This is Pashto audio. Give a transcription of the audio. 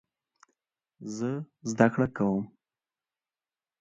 زه زده کړه کوم